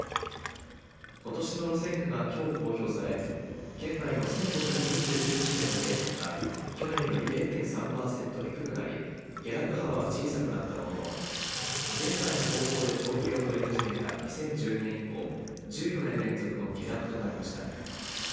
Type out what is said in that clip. ことしの路線価がきょう公表され県内の１５２９地点の平均は去年より０．３パーセント低くなり下落幅は小さくなったものの現在の方法で統計を取り始めた２０１０年以降１４年連続の下落となりました。